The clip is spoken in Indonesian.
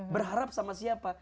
berharap sama siapa